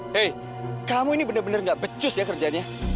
hei kamu ini bener bener nggak becus ya kerjanya